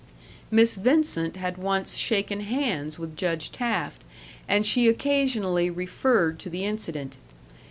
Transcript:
Miss Vincent had once shaken hands with Judge Taft, and she occasionally referred to the incident.